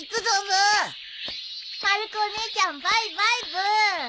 まる子お姉ちゃんバイバイブー。